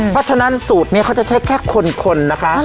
เพราะฉะนั้นสูตรนี้เขาจะใช้แค่คนนะคะ